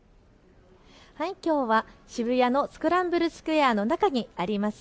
きょうは渋谷のスクランブルスクエアの中にあります